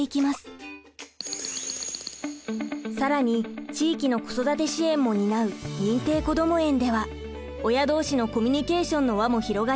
更に地域の子育て支援も担う認定こども園では親同士のコミュニケーションの輪も広がります。